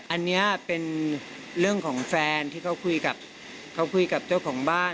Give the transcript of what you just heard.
อันนี้เป็นเรื่องของแฟนที่เขาคุยกับเขาคุยกับเจ้าของบ้าน